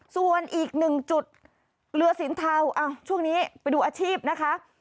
ส่วนอีกหนึ่งจุดเกลือสินเทาช่วงนี้ไปดูอาชีพนะคะ